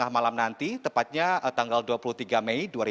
malam nanti tepatnya tanggal dua puluh tiga mei dua ribu dua puluh